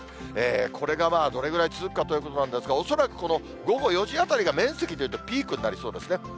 これがどれぐらい続くかということなんですが、恐らく、この午後４時あたりが面積でいうとピークになりそうですね。